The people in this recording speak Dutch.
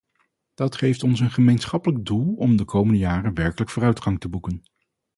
Dat geeft ons een gemeenschappelijk doel om de komende jaren werkelijk vooruitgang te boeken.